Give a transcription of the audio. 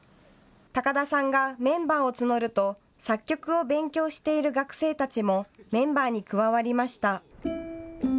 高田さんがメンバーを募ると作曲を勉強している学生たちもメンバーに加わりました。